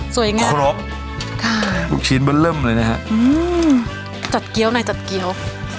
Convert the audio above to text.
ครบค่ะลูกชิ้นเบอร์เริ่มเลยนะฮะอืมจัดเกี้ยวหน่อยจัดเกี้ยว